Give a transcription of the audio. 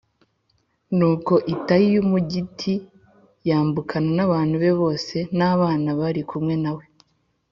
Nuko Itayi w’Umugiti yambukana n’abantu be bose n’abana bari kumwe na we.